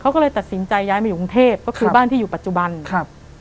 เขาก็เลยตัดสินใจย้ายมาอยู่กรุงเทพก็คือบ้านที่อยู่ปัจจุบันครับ